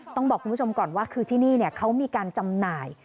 ต้องบอกคุณผู้ชมก่อนว่าคือที่นี่เขามีการจำหน่าย